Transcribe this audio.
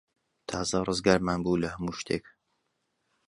تازە ڕزگارمان بوو لە هەموو شتێک.